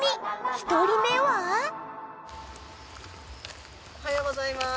おはようございます。